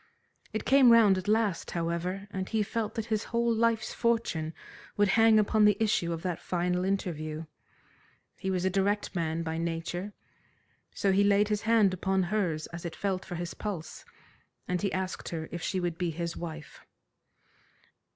It came round at last, however, and he felt that his whole life's fortune would hang upon the issue of that final interview. He was a direct man by nature, so he laid his hand upon hers as it felt for his pulse, and he asked her if she would be his wife.